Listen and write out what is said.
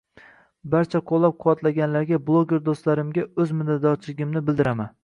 Barcha qoʻllab quvvatlaganlarga, bloger doʻstlarimga oʻz minnatdorchiligimni bildiraman.